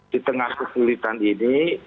di tengah kesulitan ini